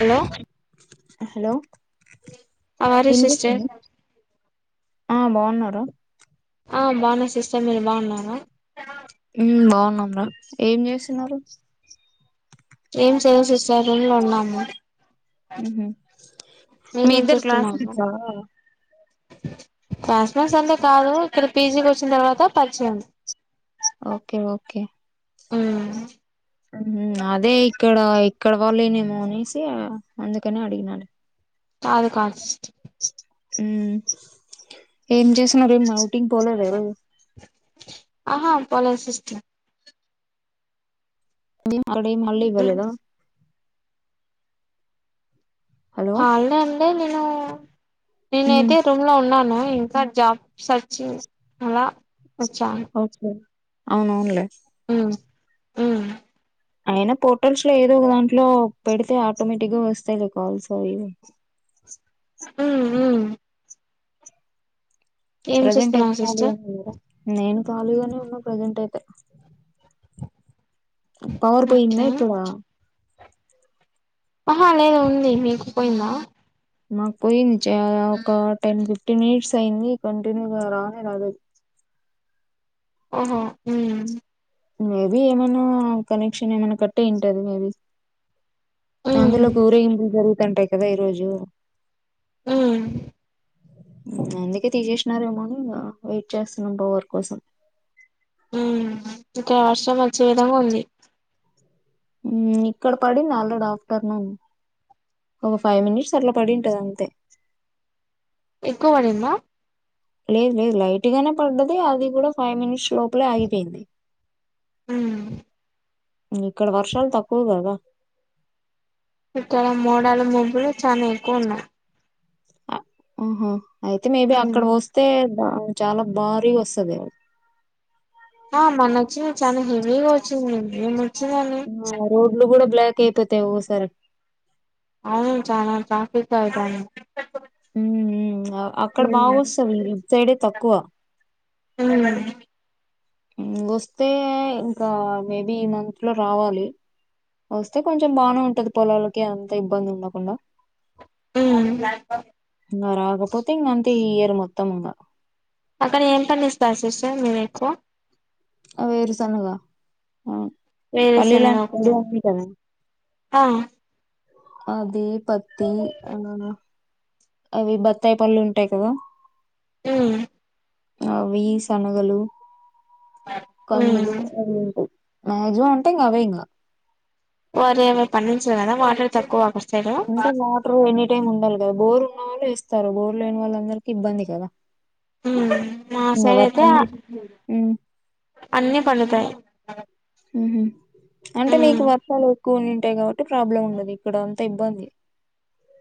hello hello అవారు sister వినిపిస్తుందా ఆ బాగున్నారు ఆ బాగున్నా సిస్టే మీరు బాగున్నారును ఉమ్ బాగున్నాం ఏం చేసన్నారు ఏం చేయ సిస్టర్ రూమ్ లో ఉన్నాము మీరేం ఇద్దరు క్లాస్ పాస్ మార్స్ అంతా కాదు ఇక్కడ పీజీకి వచ్చిన తర్వాత పరిచయం ఓకే ఓకే ఆ అదే ఇక్కడ ఇక్కడ వాళ్ళేనేమో అనేసి అందుకనే అడిగినాను కాదు కాస్ట్ ఏం చేస్ మరేం ఔటింగ్ పోలేద ఈ రోజు న అది మళ్ళీ మళ్ళివలేద హలో అనే అండి నేను ఉమ్ నేనైతే రూమ్ లో ఉన్నాను ఇంకా జాబ్ సర్చింగ్ అలా వచ్చాను ఓకే అవునవునులే ఉ ఊ అయినా పోర్టల్స్ లో ఏదో ఒక దాంట్లో పెడితే ఆటోమేటిక్ గా వస్తాయి లే కాల్స్ అవి వ అ ప్రెజెంట్ ఏం చేస్తున్నావు సిస్టర్ నేను కాళీగనే ఉన్న ప్రజెంట్ అయితే పవర్ ఓకే పోయిందా ఇక్కడ ఆహా లేదు ఉంది మీకు పోయిందా మాకు పోయించ ఒక టెన్ ఫిఫ్ ఫిఫ్టీన్ మినిట్స్ అయింది కంటిన్యూగా రానే రాదు ఓహో ఊ మేబి ఏమనా కనెక్షన్ ఏమనా కట్టయి ఉంటది మేబి ఉమ్ అందులోకు ఊరేగింపులు జరుగుతుంటాయి కదా ఈరోజు ఊ అందుకే తీసేసినారేమో అని ఇంగ వెయిట్ చేస్తున్నాం పవర్ కోసం ఊ ఇంకా వర్షం వచ్చే విధంగా ఉంది ఊ ఇక్కడ పడింది ఆల్రెడీ ఆఫ్టర్నూన్ ఒక ఫైవ్ మినిట్స్ అట్లా పడింటది అంతే ఎక్కు పడిందా లేదు లేదు లైట్ గానే పడ్డది అది కూడా ఫైవ్ మినిట్స్ లోపలే ఆగిపోయింది ఉమ్ ఇక్కడ వర్షాలు తక్కువ కదా ఎక్కో మోడాల మబ్బులు చనా ఎక్కువ ఉన్నాయి ఓహో అయితే మేబి ఉమ్ అక్కడ వస్తే బావు చాలా భారీ వస్తదేమో ఆ మొనచ్చింది చాలా హెవీగా వచ్చిందండి ఏమో ఆ రోడ్లు కూడా బ్లాక్ అయిపోతాయి ఓకొసారి అవును చానా ట్రాఫీక్ ఐతంది ఊ ఊ అక్కడ ఉమ్ బాగా వస్తది ఇట్ సైడ్ ఏ తక్కువ ఊహు ఇంగోస్తే ఇంకా మేబి ఈ మంత్ లో రావాలి వస్తే కొంచెం బానే ఉంటది పొలాలకి అంత ఇబ్బంది ఉండకుండా ఉమ్ ఇంగ రాకపోతే ఇంగ అంతే ఈ ఇయర్ మొత్తమింగా అక్కడ ఏం పనిచేస్తారు సిస్టర్ మీరు ఎక్కువ అ వేరుసనగా అ వేరుశెనగ పలిలంటే ఒకటా మంచిగున్ని కదా ఆ అది పతి అనన అవి బత్తాయి పళ్ళు ఉంటాయి కదా ఊ అవి సనగలు ఉమ్ కందులు అవి ఉంటయి మజమా ఉంటా ఇంకా అవే ఇంకా వరే పడించదదా మాటర్ తక్వ ఇంటకా వాటర్ ఎనీ టైమ్ ఉండాలి కదా బోర్ ఉన్న వాళ్ళు ఇస్తారు బోర్ లేని వాళ్ళందరు ఇబ్బంది కదా మా ఇంగ సైడ్ అయితే వర్షం ఉమ్ అన్నిీ పండుతాయి హ అంటే ఉమ్ మీకు వర్షాలు ఎక్కువ ఉంటాయి కాబట్టి ప్రాబ్లం ఉండదు ఇక్కడ అంతా ఇబ్బంది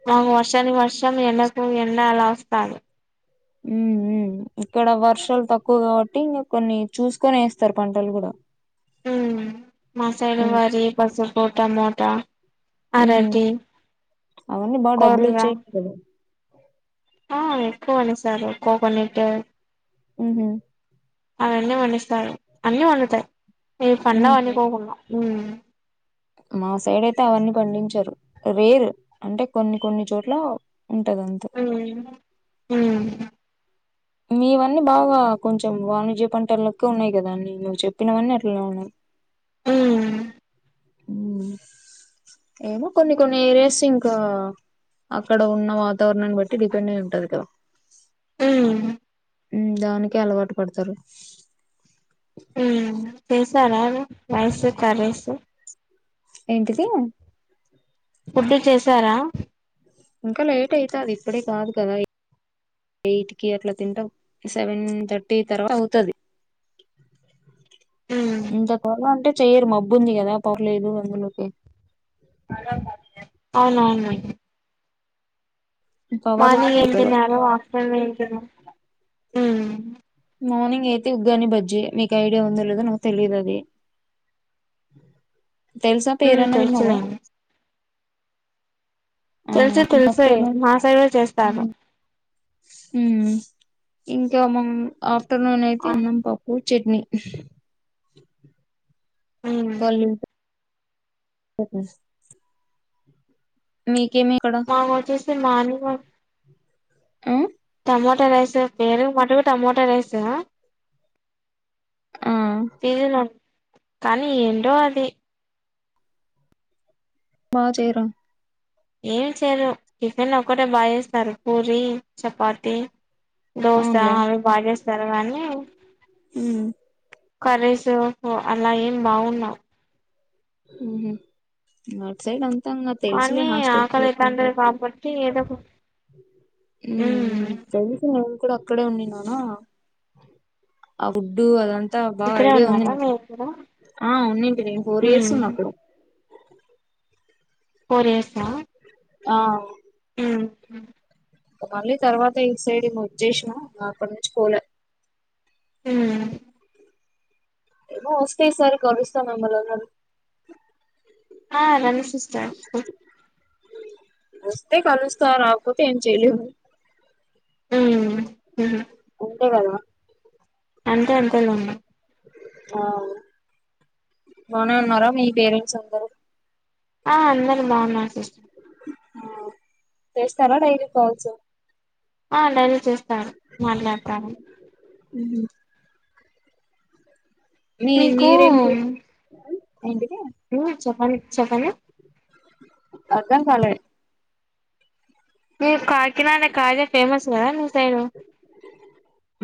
మాకు వర్షానికి వర్షం ఎండకు ఎండ అలా వస్తాంది ఉ ఇక్కడ వర్షాలు తక్కువగా అే ఇంకా కొన్ని చూసుకొని వేస్తారు పంటలు కూడా మాసాల ఉమ్ వరి పసుపుపు టమోటా హ అరటి అవన్నీ బా డబ్బులు కొర్ర వచ్చాయి ఆ ఎక్కువ అని సారు కోకోనట్ ఆ అవన్నీ వండిస్తాయి అన్నీ వండుతాయి ఈవి పండ ఉమ్ అన్నకోకుండా మా సైడ్ అయితే అవన్నీ పండించారు రేరు అంటే కొన్ని కొన్ని చోట్ల ఉంటుదంత అ మీవన్నీ బాగా కొంచెం వాణిజ్య పంటలకే ఉన్నాయి కదా అన్నీ నువ్వు చెప్పినవన్నీ అట్లా ఉన్నాయి ఉమ్ అ ఏమో కొన్ని కొన్ని రేసింగ్ అక్కడ ఉన్న వాతావరణాన్ని బట్టి డిపెండ్ అయ ఉంటది కదా అ దానినికిే అలవాటు పడతారు చేసార వైసు కేసి ఏంటిది ఫుడ్డు చేశారా ఇంకా లేట్ అయితది ఇప్పుడే కాదు కదా ఎయిట్ కి అట్లా తింటాం సెవెన్ థర్టీ తర్వాత అవుతుది ఉమ్ ఇంత తర అంటే చెయ్యరు మబ్బుంది కదా పర్లేదు అందులోకి అవునవును పవర్ మార్నింగ్ ఏ తనాారు ఆఫ్టర్నూన్ ఏ తనా మార్నింగ్ అయితే ఉగ్గాని బజ్జి మీకు ఐడియా ఉందో లేదో నాకు తెలీదు అది తెలుసా ఉమ్ పేరన్నా విన్నావు తెలుసులేండి తెలుసు ఆకాఫట్ తెలుసు మా సైడ్ కూడా చేస్తారు ఇంకా మం ఆఫ్టర్నూన్ అయితే ఆ ఉన్నాం పప్పు చట్నీ ఉమ్ పలివ ఓ మీ మా వచ్చస మాని మ ఆ టమోట రాయిస బేరు మాటకు టమట రాయిస హ ఆ తీసిన కానీ ఏంటో అది మా చేయరా ఏమి చేయరు చటిఫెన్ ఒకక్కటే బాగాేస్తారు పూరి చపాతి దోసా అవునులే బాగస్ తవనీ మ్మ్ కరేస్ అలా ఏం బాగున్నావు సైడ్ అంత మఖతంగా తెలుసులే కానీ హాస్టల్ంట ఆకలి అయితాంటది కాబట్టి ఏదో ఒక ఉమ్ ఉ స కూడా అక్కడే ఉంనాను ఆ గుడ్డు అలాంటి అ బాగా ఇక్కడే ఐడియా ఉంది ఉన్నారా నాకు మీరు కూడా ఉన్న ఫోర్ ఇయర్స్ ఉమ్ నాకు బరిేసా ఆ ఉ మళ్ళీ తర్వాత ఈ సైడ్ ము వచ్చేసిన అక్కడ నుంచి పోలే ఆ ఏమో వస్తాయి సార్ గరుస్తాం మిమ్మల ఆ నన్న సస్టర్ వస్తతే కాలుస్తతోార ఆకోతే ఎం చేలి ఉ అంతే కద అంతే అంత లోన్నా ఆ బానే ఉన్నారా మీ పేరెంట్స్ అందరుూ ఆ అందరు బాగున్నారు సిస్ట తెతనుా డైరి పోవచ్చు ఆ డైరీ చేస్తారు మాట్లాడతారు ఉ మీ మీకు మీరేం ఏంటి చప్పని చప్పని అక చాలే మీ కాకినాడ కాదే ఫేమస్ కదా ని సైను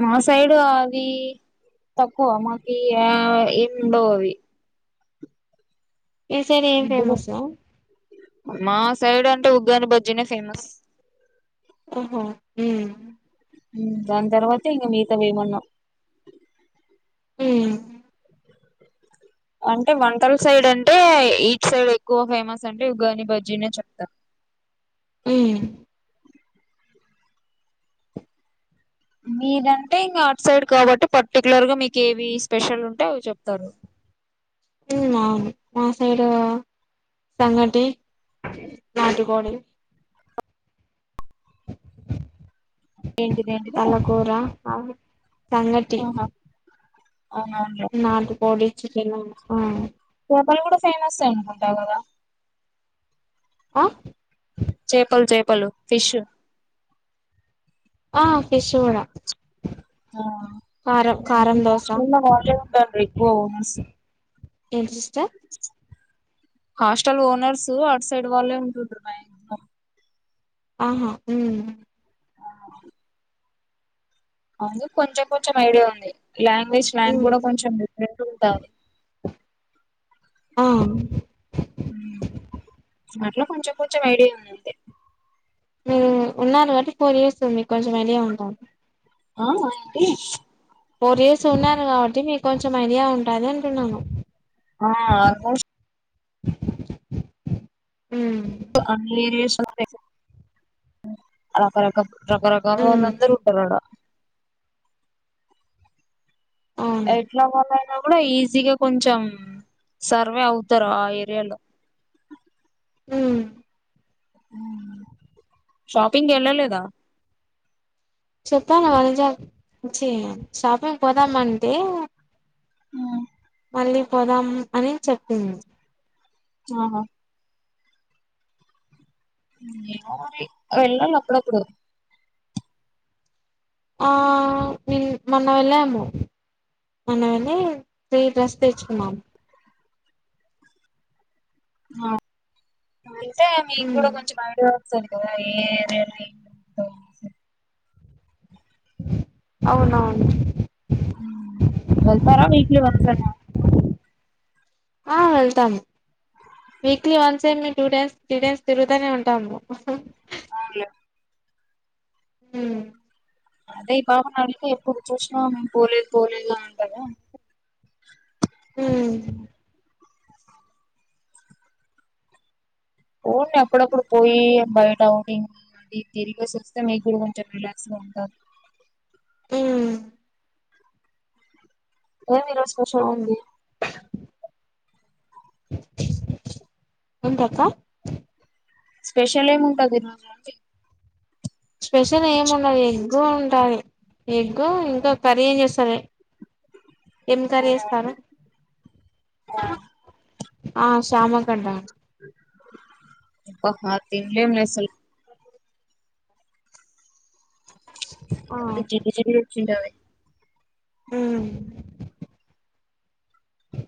మా సైడ్ అ తకువ మాకి ఏం బౌ అవి ఈసైడ్ ఏం ఇప్పుడు ఫేమస్ మా సైడ్ అంటే ఉగాని బ ఓహో దాని తర్వాతే ఇం మీత వేయమన్నాం ఉమ్ అంటే వంటల సైడ్ అంటే ఈచ్ సైడ్ ఎక్కువ ఫేమస్ అంటే యుగాని బజీనేే చెప్తాారు అ మీరంటే ఇంకా అవుట్ సైడ్ కాబట్టి పర్టికులర్ గా మీకు ఏవి స్పెషల్ ఉంటే అ చెప్తారు ఉవును మా సైడు సంగటి నాటికోోడి ఏంటిది ఏంటిది తలకూర సంగటి ఆహా అవునవునులే నాలు కోడి చికెన్ చెప్పలు కూడా ఫేమస్ అంటకుంటా కదా ఆ చేపలు చేపలు ఫిష్ ఆ ఫిషవడా ఆ అట దోశ ఎకువఓ ఏ sys hostel owners outside వాళ్ళే ఉంటుండ మ ఆహా ఆ అవు కొంచెం కొంచెం ఐడియా ఉంది లాంగ్వేజ్ లాంగ్ ఉమ్ కూడా కొంచెం డిఫరెంట్ ఉంటుంది ఆ అట్లో కొంచెం కొంచెం ఐడియా ఉందింది మ్ ఉన్నాారు కాబట్టి ఫర్ ఇయర్స్ మిక్ కొంచెం ఐడియా ఉంటారు ఎ ఫోర్ ఇయర్స్ ఉన్నారు కాబట్టి మీకు కొంచెం ఐడియా ఉంటది అంటున్నాను ఆ ఆల్మోస్ మ్ అన్ని [unintelligible] రాకరకాల్ రకరకాళ్ళో ఉమ్ ల్లాందరు ఉంటారు ఆడ అవును ఎట్లా మనై కూడా ఈజీగా కొంచెం సర్వే అవుతారు ఆ ఏరియాలో మ్ మ్ షాపింగ్ వెళ్ళలేదా చెప్పాను వానజాకి చి షాపింగ్ పోదామంటి ఆ మళ్ళీ పోదాం అని చెప్పింది ఆహా ఏమో మరి వెళ్ళాలి అప్పుడప్పుడు ఆ మీ మొన్న వెళ్ళాము మొన్న వెళ్లి త్రీ డ్రెస్ తెచ్చుకున్నాం అ అంటే మీక్కూడా కొంచెం బడు సోని కద ఏ రే నైట్ తో స్ అవునవును వెళ్తారా వీక్లి వన్స్ అన్న ఆ వెళ్తాము వీక్లీ వన్స్ ఏందీ టూ టైమ్స్ త్రీ టైమ్స్ తిరుగుతనే ఉంటాము అవును మ్ అదే భావన అంటే ఎప్పుడు చూసినా మేము పోలేదు పోలేదు అంటదా మ్ పొండి అప్పుడప్పుడు పోయి బయట అవుటింగ్ అది తిరిగేసోస్తే మీక్ కూడ కొంచెం రిలాక్స్ గ ఉంటారు ఏమీ ఈ రోజు స్పెషల్ అవును ఏంటి ఏంటక్క స్పెషల్ ఎం ఉంటది ఈ రోజు అంటి స్పెషల్ ఏముండది ఎగ్గు ఉంటాది ఎగ్గు ఇంకా కర్రీ ఏం చేస్తాలే ఎం కరి అబ్బా చేస్తారు ఆ శ్యామ గడ్డ అహ తిన్లేమ్ లే అసల్ ఆ అది జిడ్డు జిడ్డు గోచ్చింటది మ్ అ